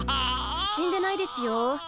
死んでないですよ。